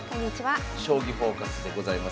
「将棋フォーカス」でございます。